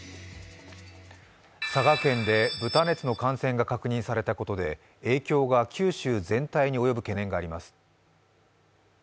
佐賀県で豚熱の感染が確認されたことで影響が九州全体に及ぶ懸念があります。